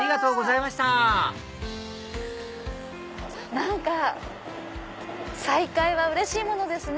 何か再会はうれしいものですね。